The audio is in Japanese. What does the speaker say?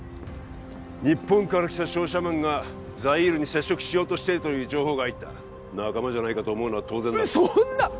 日本から来た商社マンがザイールに接触しようとしているという情報が入った仲間じゃないかと思うのは当然だろそんな！